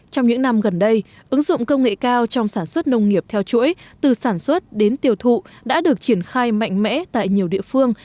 trong những năm gần đây ứng dụng công nghệ cao trong sản xuất nông nghiệp theo chuỗi từ sản xuất đến tiêu thụ đã được triển khai mạnh mẽ tại nhiều địa phương